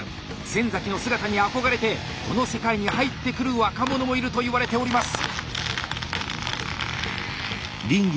先の姿に憧れてこの世界に入ってくる若者もいるといわれております。